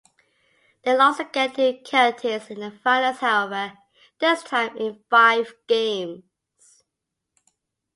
They lost again to Celtics in the Finals however, this time in five games.